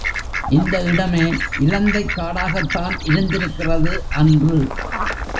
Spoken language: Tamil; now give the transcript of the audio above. இந்த இடமே இலந்தைக் காடாகத் தான் இருந்திருக்கிறது அன்று.